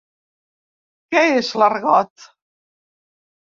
Què és l'argot?